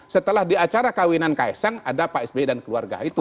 setelah di acara kawinan kaisang ada pak sby dan keluarga itu